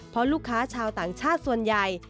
เพราะลูกค้าชาวต่างชาติส่วนใหญ่